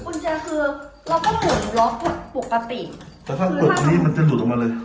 กุญแจคือเราก็ปลดล็อกปกติแต่ถ้าเกิดตรงนี้มันจะหลุดออกมาเลย